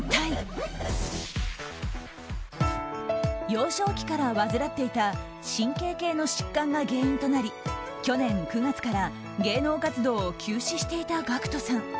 幼少期から患っていた神経系の疾患が原因となり去年９月から、芸能活動を休止していたＧＡＣＫＴさん。